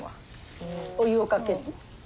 お湯をかける。